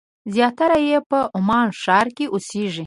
زیاتره یې په عمان ښار کې اوسېږي.